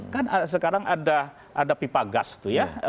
kan sekarang ada pipa gas tuh ya